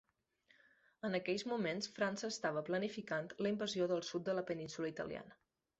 En aquells moments França estava planificant la invasió del sud de la península italiana.